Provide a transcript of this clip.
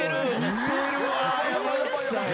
似てるわ。